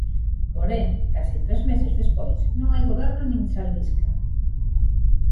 Porén, case tres meses despois, non hai goberno nin se albisca.